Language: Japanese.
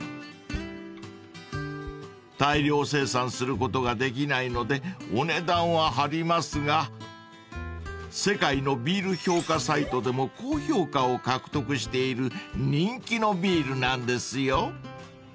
［大量生産することができないのでお値段は張りますが世界のビール評価サイトでも高評価を獲得している人気のビールなんですよ］